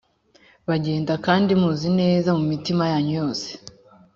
bagenda kandi muzi neza mu mitima yanyu yose